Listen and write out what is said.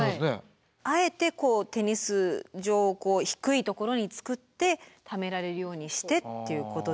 あえてこうテニス場を低いところにつくってためられるようにしてっていうことですね。